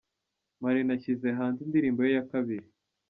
Marina ashyize hanze indirimbo ye ya kabiri.